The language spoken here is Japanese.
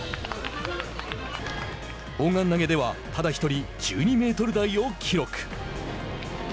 砲丸投げではただ１人１２メートル台を記録。